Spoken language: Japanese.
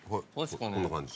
こんな感じ。